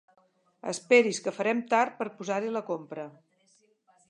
Esperi's que farem tard per posar-hi la compra.